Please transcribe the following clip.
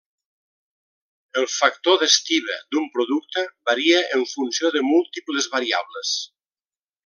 El factor d'estiba d'un producte varia en funció de múltiples variables.